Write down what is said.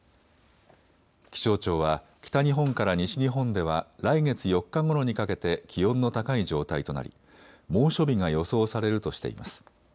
気象庁は北日本から西日本では来月４日ごろにかけて気温の高い状態となり猛暑日が予想されるとしています。